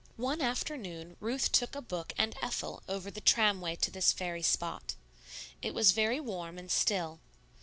One afternoon Ruth took a book and Ethel over the tramway to this fairy spot. It was very warm and still.